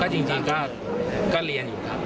จริงก็เรียนอยู่ครับ